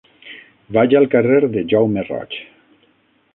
Vaig al carrer de Jaume Roig.